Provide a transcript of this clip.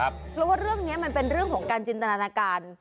เพราะว่าเรื่องนี้มันเป็นเรื่องของการจินตนาการ